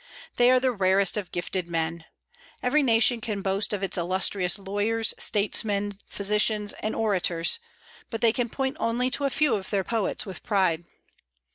They are the rarest of gifted men. Every nation can boast of its illustrious lawyers, statesmen, physicians, and orators; but they can point only to a few of their poets with pride.